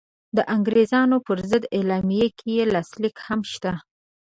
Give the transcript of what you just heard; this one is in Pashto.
د انګرېزانو پر ضد اعلامیه کې یې لاسلیک هم شته.